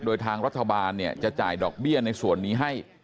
โดยทางรัฐบาลจะจ่ายดอกเบี้ยในส่วนนี้ให้